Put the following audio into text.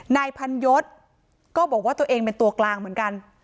นายพันยศก็บอกว่าตัวเองเป็นตัวกลางเหมือนกัน